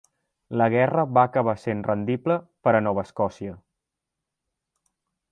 La guerra va acabar sent rendible per a Nova Escòcia.